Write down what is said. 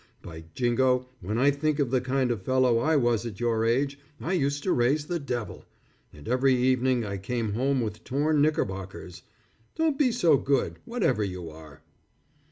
By jingo, when I think of the kind of fellow I was at your age, I used to raise the devil, and every evening I came home with torn knickerbockers. Don't be so good, whatever you are."